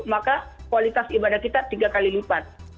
maka kualitas ibadah kita tiga kali lipat